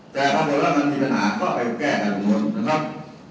แต่พบกันแล้วมันมีปัญหาก็เอาไปแก้กับคนโน้นนะครับ